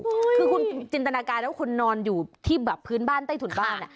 คือคุณจินตนาการแล้วคุณนอนอยู่ที่แบบพื้นบ้านใต้ถุนบ้านอ่ะ